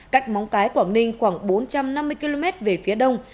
cách móng cái quảng ninh khoảng bốn trăm năm mươi km về phía đông